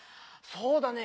そうだね。